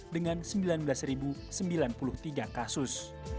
dengan sembilan belas sembilan puluh tiga kasus